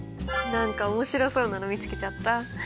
何か面白そうなの見つけちゃった。